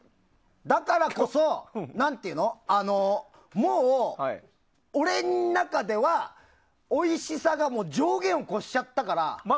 だからこそもう俺の中ではおいしさが上限を超しちゃったから。